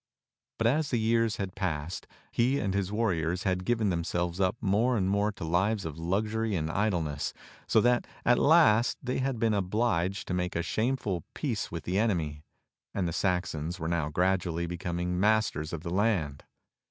But as the years had passed, he and his warriors had given themselves up more and more to lives of luxury and idleness, so that at last they had been obliged to make a shameful peace with the enemy, and the Saxons were now gradually becoming masters of the land.